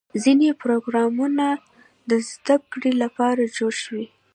ځینې پروګرامونه د زدهکړې لپاره جوړ شوي.